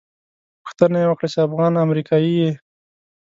پوښتنه یې وکړه چې افغان امریکایي یې.